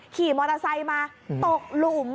ขี่มอเตอร์ไซค์มาตกหลุม